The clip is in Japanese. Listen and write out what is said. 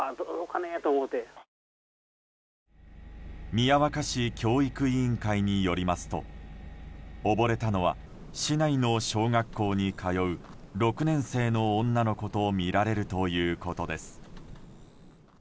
宮若市教育委員会によりますと溺れたのは、市内の小学校に通う６年生の女の子とみられるということです。